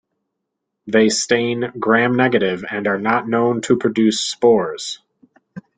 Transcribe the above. They stain gram negative and are not known to produce spores.